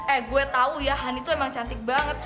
eh gue tau ya hany tuh emang cantik banget